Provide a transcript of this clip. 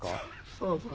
そうそう。